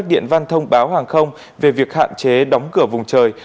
điện văn thông báo hàng không về việc hạn chế đóng cửa vùng trời